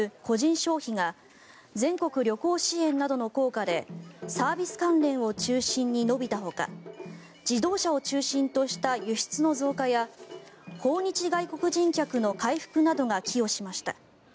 消費が全国旅行支援などの効果でサービス関連を中心に伸びたほか自動車を中心とした輸出の増加や訪日外国人客の回復などが寄与しました。